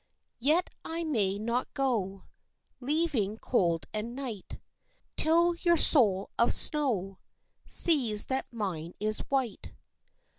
Yet I may not go, Leaving cold and night, Till your soul of snow Sees that mine is white.